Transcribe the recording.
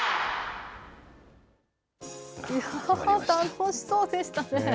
楽しそうでしたね。